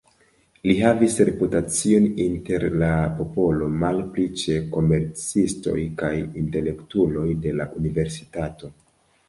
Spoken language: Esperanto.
Li havis reputacion inter la popolo, malpli ĉe komercistoj kaj intelektuloj de la universitato.